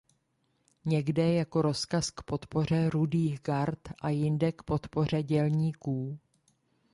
Někde jako rozkaz k podpoře rudých gard a jinde k podpoře dělníků.